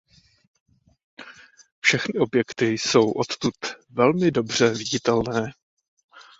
Všechny objekty jsou odtud velmi dobře viditelné.